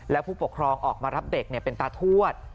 และผู้ปกครองออกมารับเด็กเป็นตาทวด